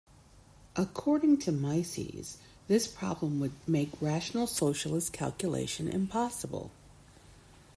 According to Mises, this problem would make rational socialist calculation impossible.